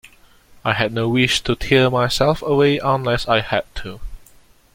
I had no wish to tear myself away unless I had to.